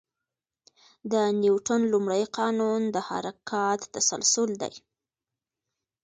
د نیوتن لومړی قانون د حرکت تسلسل دی.